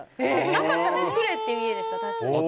なかったら作れという家庭でした。